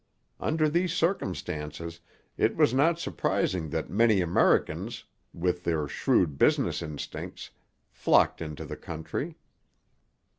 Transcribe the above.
Under these circumstances it was not surprising that many Americans, with their shrewd business instincts, flocked into the country.